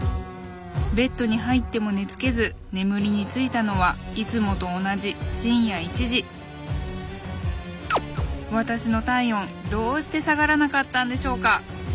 ベッドに入っても寝つけず眠りについたのはいつもと同じ深夜１時私の体温どうして下がらなかったんでしょうか？